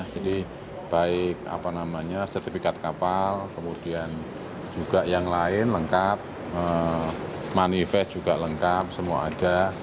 jadi baik apa namanya sertifikat kapal kemudian juga yang lain lengkap manifest juga lengkap semua ada